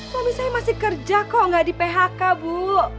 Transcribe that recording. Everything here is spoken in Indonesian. suami saya masih kerja kok nggak di phk bu